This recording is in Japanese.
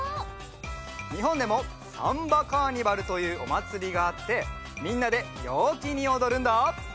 にほんでもサンバカーニバルというおまつりがあってみんなでようきにおどるんだ。